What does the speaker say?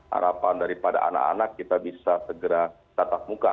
harapan daripada anak anak kita bisa segera tatap muka